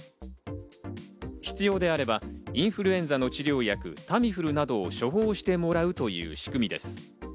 必要であればインフルエンザの治療薬、タミフルなどを処方してもらうという仕組みです。